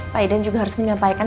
pak idan juga harus menyampaikan